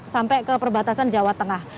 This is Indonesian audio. sampai ke perbatasan jawa tengah